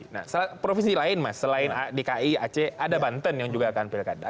nah provinsi lain mas selain dki aceh ada banten yang juga akan pilkada